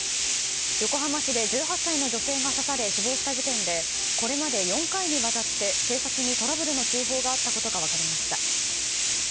横浜市で１８歳の女性が刺され死亡した事件でこれまで４回にわたって警察にトラブルの通報があったことが分かりました。